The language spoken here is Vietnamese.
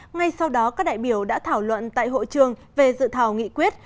ngay sau đó các đại biểu đã thảo luận tại hội trường về dự thảo nghị quyết